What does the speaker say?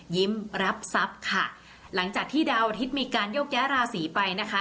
รับทรัพย์ค่ะหลังจากที่ดาวอาทิตย์มีการโยกย้ายราศีไปนะคะ